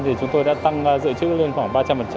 thì chúng tôi đã tăng dự trữ lên khoảng ba trăm linh